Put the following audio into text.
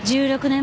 １６年。